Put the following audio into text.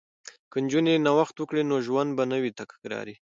که نجونې نوښت وکړي نو ژوند به نه وي تکراري.